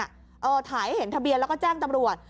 ถ่ายให้เห็นทะเบียนแล้วก็แจ้งตำรวจ